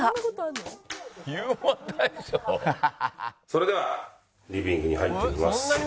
それではリビングに入っていきます。